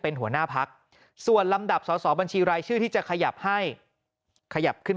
เป็นหัวหน้าพักส่วนลำดับสอสอบัญชีรายชื่อที่จะขยับให้ขยับขึ้น